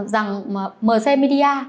rằng mz media